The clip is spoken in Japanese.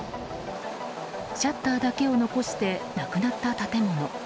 シャッターだけを残してなくなった建物。